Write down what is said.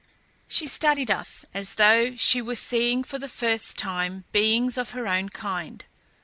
She studied us as though she were seeing for the first time beings of her own kind.